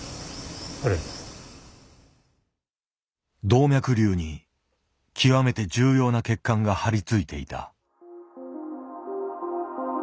動脈瘤に極めて重要な血管がはりついていた。